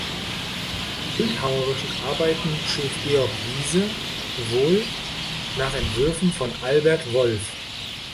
Die bildhauerischen Arbeiten schuf Georg Wiese, wohl nach Entwürfen von Albert Wolff.